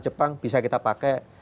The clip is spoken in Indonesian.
jepang bisa kita pakai